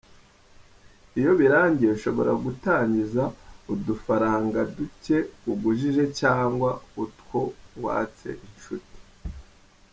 Iyo birangiye ushobora gutangiza udufatanga dute ugujije cyangwa utwo watse inshuti.